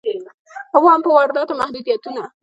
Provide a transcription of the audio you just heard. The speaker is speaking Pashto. اووم: په وارداتو محدودیتونه.